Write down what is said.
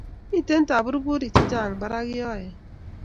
mito taburburik chechang barak yoe